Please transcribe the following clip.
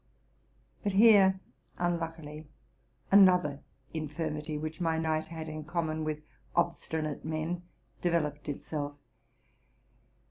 But here, unluckily, another infirmity which my knight had in common with obstinate men developed itself.